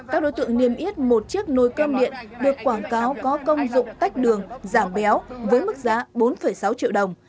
các đối tượng niêm yết một chiếc nồi cơm điện được quảng cáo có công dụng tách đường giảm béo với mức giá bốn sáu triệu đồng